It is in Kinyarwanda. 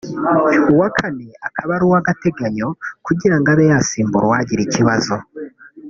uwa kane akaba ari agateganyo kugira ngo abe yasimbura uwagira ikibazo